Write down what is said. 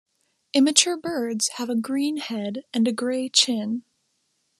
Immature birds have a green head and a grey chin.